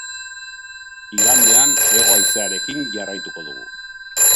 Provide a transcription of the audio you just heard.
Igandean hego-haizearekin jarraituko dugu.